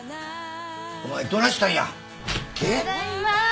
ただいま。